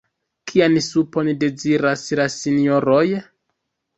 Kian supon deziras la Sinjoroj?